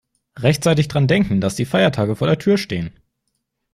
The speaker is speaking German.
Rechtzeitig daran denken, dass die Feiertage vor der Tür stehen.